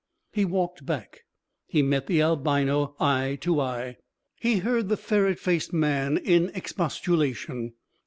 He walked back. He met the albino eye to eye. He heard the ferret faced man in expostulation.